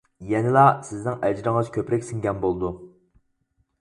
يەنىلا سىزنىڭ ئەجرىڭىز كۆپرەك سىڭگەن بولىدۇ.